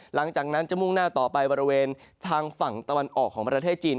หลังจากนั้นจะมุ่งหน้าต่อไปบริเวณทางฝั่งตะวันออกของประเทศจีน